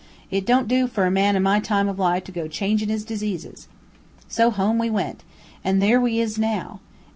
It don't do for a man o' my time o' life to go changin' his diseases.'" "So home we went. An' there we is now.